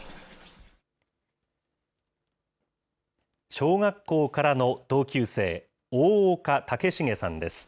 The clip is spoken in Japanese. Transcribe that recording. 小学校からの同級生、大岡武重さんです。